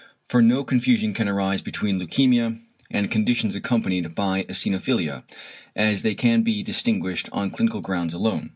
For no confusion can arise between leukæmia, and conditions accompanied by eosinophilia, as they can be distinguished on clinical grounds alone.